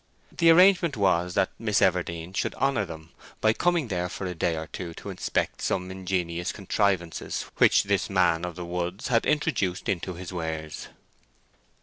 The arrangement was that Miss Everdene should honour them by coming there for a day or two to inspect some ingenious contrivances which this man of the woods had introduced into his wares.